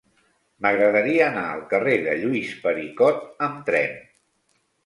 M'agradaria anar al carrer de Lluís Pericot amb tren.